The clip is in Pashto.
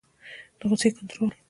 د غصې کنټرول